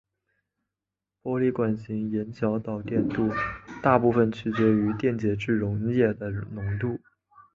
玻璃管型盐桥导电度大部分取决于电解质溶液的浓度。